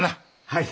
はい。